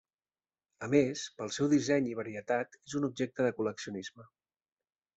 A més, pel seu disseny i varietat és un objecte de col·leccionisme.